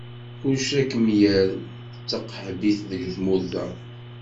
Kullec ad kem-yerr d taqaḥbit deg tmurt-a.